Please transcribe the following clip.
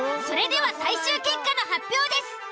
それでは最終結果の発表です。